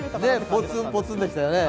ポツンポツンでしたね。